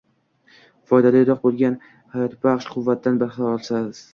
Foydaliroq bo'lgan hayotbahsh quvvatdan bahra olasiz.